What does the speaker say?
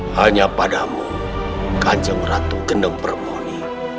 hanya padamu kancam ratu gendeng permoni